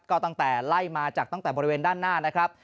ก็ตั้งแต่ไล่มาจากตั้งแต่บริเวณด้านหน้านะครับ